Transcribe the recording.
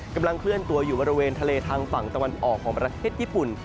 กำลังเคลื่อนตัวอยู่บริเวณทะเลทางฝั่งตะวันออกของประเทศญี่ปุ่น